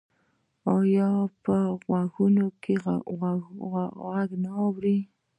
ایا په غوږونو کې غږونه اورئ؟